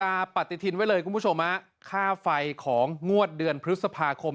ปฏิทินไว้เลยคุณผู้ชมฮะค่าไฟของงวดเดือนพฤษภาคม